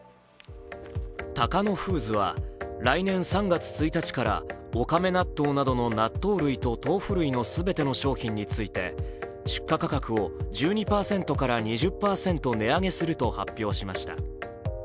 タカノフーズは来年３月１日からおかめ納豆などの納豆類と豆腐類の全ての商品について出荷価格を１２％から２０％値上げすると発表しました。